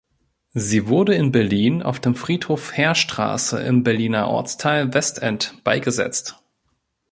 Sie wurde in Berlin auf dem Friedhof Heerstraße im Berliner Ortsteil Westend beigesetzt.